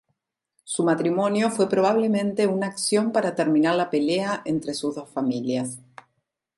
Su matrimonio fue probablemente una acción para terminar la pelea entre sus dos familias.